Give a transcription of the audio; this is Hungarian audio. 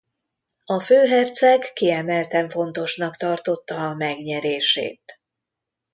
A főherceg kiemelten fontosnak tartotta a megnyerését.